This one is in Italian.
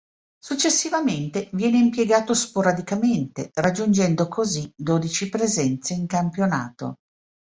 Successivamente viene impiegato sporadicamente, raggiungendo così dodici presenze in campionato.